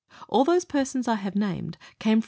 All those persons I have named came from V.